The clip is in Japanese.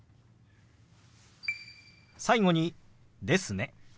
最後に「ですね」。